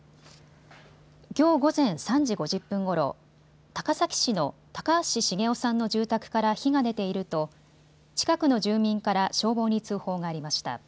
きょう午前３時５０分ごろ、高崎市の高橋重雄さんの住宅から火が出ていると近くの住民から消防に通報がありました。